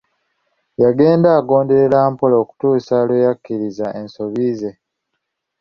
Yagenda agonderera mpola okutuusa lwe yakkiriza ensobi ze.